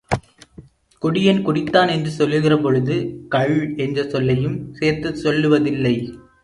குடியன் குடித்தான் என்று சொல்லுகிற பொழுது கள் என்ற சொல்லையும் சோத்துச் சொல்லுவதில்லை.